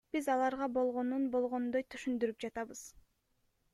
Биз аларга болгонун болгондой түшүндүрүп жатабыз.